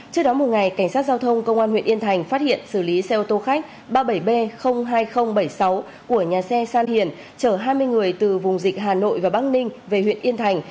trước đó một ngày cảnh sát giao thông công an huyện yên thành phát hiện xử lý xe ô tô khách ba mươi bảy b hai nghìn bảy mươi sáu của nhà xe san hiền chở hai mươi người từ vùng dịch hà nội và bắc ninh về huyện yên thành